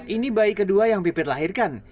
ini bayi kedua yang pipit lahirkan